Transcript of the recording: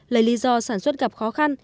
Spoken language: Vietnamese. lời lý do sản xuất gặp khó khăn